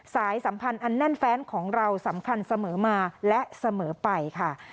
สายสัมพันธ์อันแน่นแฟนของเราสำคัญเสมอมาและเสมอไปค่ะ